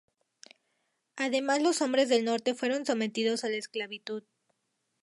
Además los Hombres del Norte fueron sometidos a la esclavitud.